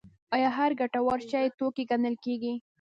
آیا هر ګټور شی توکی ګڼل کیږي؟